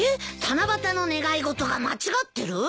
七夕の願い事が間違ってる？